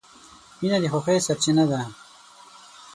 • مینه د خوښۍ سرچینه ده.